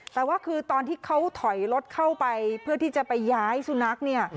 แต่ว่าคือตอนที่เขาถอยรถเข้าไปเพื่อที่จะไปย้ายสุนัขเนี่ย